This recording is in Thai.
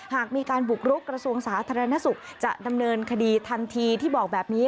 หากมีการบุกรุกกระทรวงสาธารณสุขจะดำเนินคดีทันทีที่บอกแบบนี้